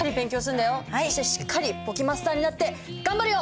そしてしっかり簿記マスターになって頑張るよ！